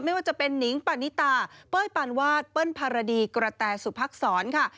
ไม่ว่าจะเป็นนิงปานิตาเป้ยปานวาดเปิ้ลภารดีกระแตสุพักษรค่ะ